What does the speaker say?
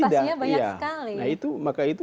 tidak iya nah itu maka itu